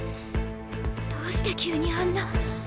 どうして急にあんな。